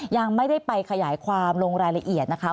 ยังไม่ได้ไปขยายความลงรายละเอียดนะคะ